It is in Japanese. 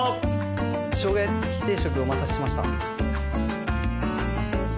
しょうが焼き定食お待たせしました。